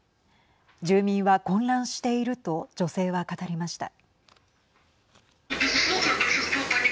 住民は混乱していると女性は語りました。